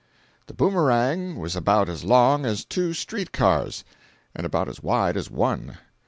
The Boomerang was about as long as two street cars, and about as wide as one.